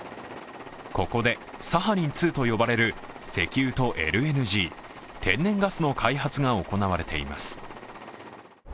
ここでサハリン２と呼ばれる石油とＬＮＧ＝液化天然ガスの開発が行われています。